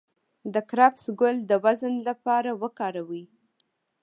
د کرفس ګل د وزن لپاره وکاروئ